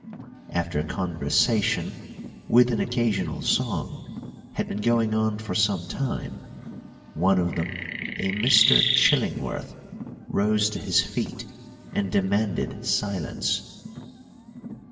After conversation, with an occasional song, had been going on for some time, one of them a Mr. Chillingworth rose to his feet and demanded silence.